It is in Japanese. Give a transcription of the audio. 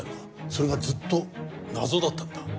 それがずっと謎だったんだ。